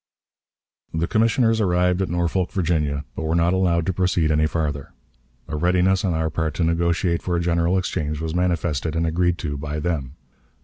The commissioners arrived at Norfolk, Virginia, but were not allowed to proceed any farther. A readiness on our part to negotiate for a general exchange was manifested, and agreed to by them.